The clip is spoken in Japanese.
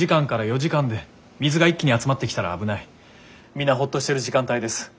みんなホッとしてる時間帯です。